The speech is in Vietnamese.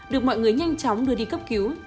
được mọi người nhanh chóng đưa đi cấp cứu